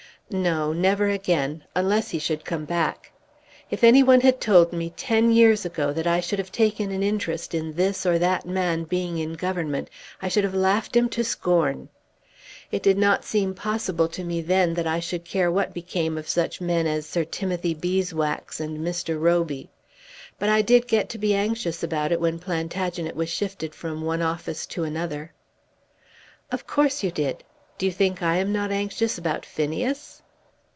"No; never again, unless he should come back. If any one had told me ten years ago that I should have taken an interest in this or that man being in the Government, I should have laughed him to scorn. It did not seem possible to me then that I should care what became of such men as Sir Timothy Beeswax and Mr. Roby. But I did get to be anxious about it when Plantagenet was shifted from one office to another." "Of course you did. Do you think I am not anxious about Phineas?"